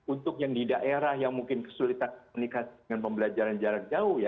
untuk yang di daerah yang mungkin kesulitan menikah dengan pembelajaran jarak jauh ya